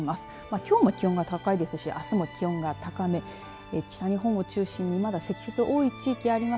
きょうも気温が高いですしあすも気温が高め北日本を中心にまだ積雪、多い地域があります。